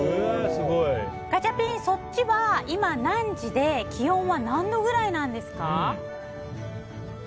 ガチャピン、そっちは今何時で気温は何度ぐらいなんですか？